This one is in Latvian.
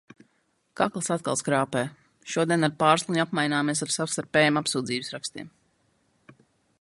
Kakls atkal skrāpē. Šodien ar Pārsliņu apmaināmies ar savstarpējiem apsūdzības rakstiem.